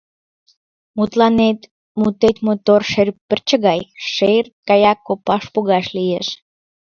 Мутланет — мутет мотор шер пырче гай, — шер гаяк копаш погаш лиеш.